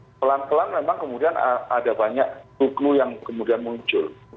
nah pelan pelan memang kemudian ada banyak duku yang kemudian muncul